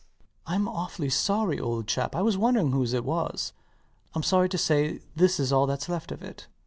LOUIS. I'm awfully sorry, old chap. I wondered whose it was. I'm sorry to say this is all thats left of it.